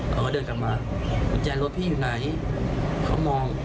เขาก็เดินกลับมากุญแจรถพี่อยู่ไหนเขามอง